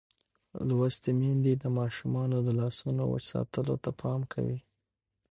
لوستې میندې د ماشومانو د لاسونو وچ ساتلو ته پام کوي.